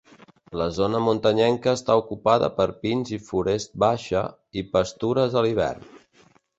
La zona muntanyenca està ocupada per pins i forest baixa, i pastures a l'hivern.